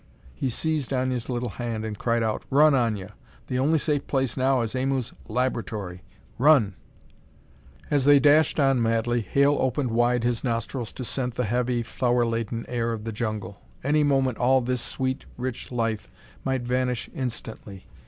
He seized Aña's little hand and cried out: "Run, Aña! The only safe place now is Aimu's laboratory. Run!" As they dashed on madly, Hale opened wide his nostrils to scent the heavy, flower laden air of the jungle. Any moment all this sweet, rich life might vanish instantly.